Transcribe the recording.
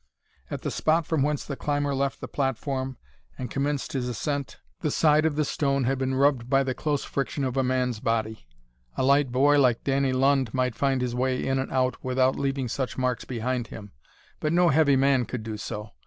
At the spot from whence the climber left the platform and commenced his ascent, the side of the stone had been rubbed by the close friction of a man's body. A light boy like Danny Lund might find his way in and out without leaving such marks behind him, but no heavy man could do so.